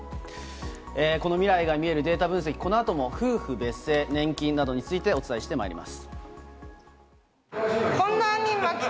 この未来が見えるデータ分析、このあとも夫婦別姓、年金などについてお伝えしてまいります。